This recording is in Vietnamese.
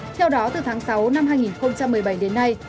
theo đó từ tháng sáu năm hai nghìn một mươi bảy đến nay